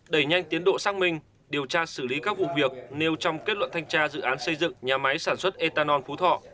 đẩy nhanh tiến độ xác minh điều tra xử lý các vụ việc nêu trong kết luận thanh tra dự án xây dựng nhà máy sản xuất ethanol phú thọ